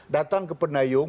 datang ke penayung